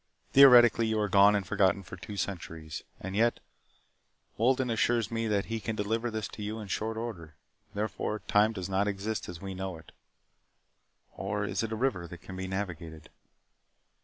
Theoretically, you are gone and forgotten for two centuries. And yet, Wolden assures me that he can deliver this to you in short order. Therefore, time does not exist as we know it. Or is it a river that can be navigated?